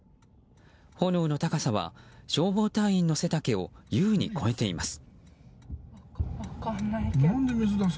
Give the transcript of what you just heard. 炎の高さは消防隊員の背丈を優に超えています。